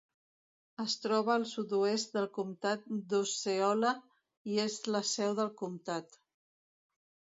Es troba al sud-oest del comtat d'Osceola i és la seu del comtat.